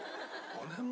５年前？